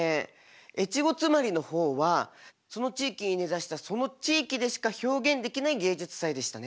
越後妻有の方はその地域に根ざしたその地域でしか表現できない芸術祭でしたね。